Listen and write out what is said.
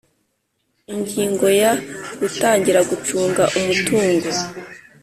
Ingingo ya gutangira gucunga umutungo